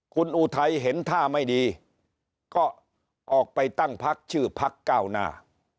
คุณอุทัยเห็นท่าไม่ดีก็ออกไปตั้งพักชื่อพักเก้าหน้า